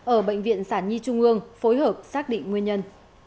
ở bệnh viện sản nhi trung ương phối hợp xác định nguyên nhân